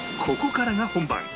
ここからが本番